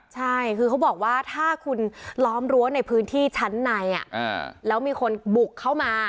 ใช่คือเขาบอกว่าถ้าคุณล้อมรั้วในพื้นที่ชั้นในแล้วมีคนบุกเข้ามา